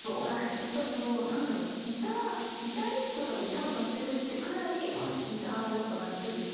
やっぱりそのなんだろうギタリストが歌を歌ってるってくらいギターをやっぱがっつり弾く。